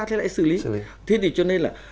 thì lại xử lý thế thì cho nên là